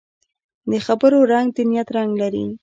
د خبرو رنګ د نیت رنګ لري